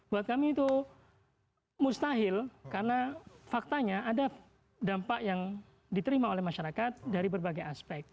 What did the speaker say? buat kami itu mustahil karena faktanya ada dampak yang diterima oleh masyarakat dari berbagai aspek